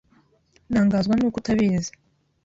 Ntangazwa nuko utabizi.